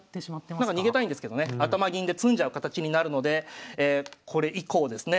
なんか逃げたいんですけどね頭銀で詰んじゃう形になるのでこれ以降ですね